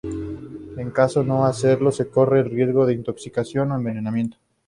En caso de no hacerlo se corre el riesgo de intoxicación o envenenamiento.